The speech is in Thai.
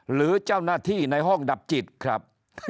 หรือเจ้าหน้าที่ในห้องดับจิตครับ